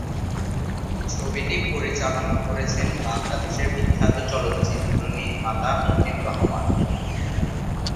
ছবিটি পরিচালনা করেছেন বাংলাদেশের বিখ্যাত চলচ্চিত্র নির্মাতা মতিন রহমান।